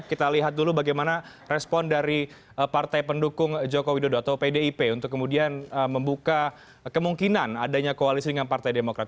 kita lihat dulu bagaimana respon dari partai pendukung jokowi dodo atau pdip untuk kemudian membuka kemungkinan adanya koalisi dengan partai demokrat